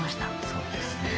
そうですね。